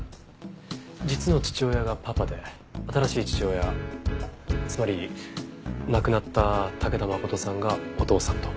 実の父親がパパで新しい父親つまり亡くなった武田誠さんがお父さんと。